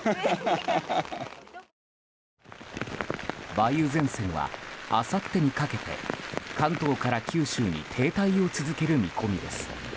梅雨前線はあさってにかけて関東から九州に停滞を続ける見込みです。